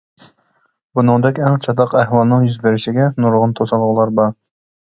بۇنىڭدەك ئەڭ چاتاق ئەھۋالنىڭ يۈز بېرىشىگە نۇرغۇن توسالغۇلار بار.